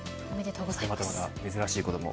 またまた珍しいことも。